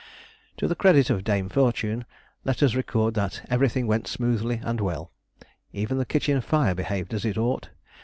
To the credit of Dame Fortune let us record that everything went smoothly and well. Even the kitchen fire behaved as it ought.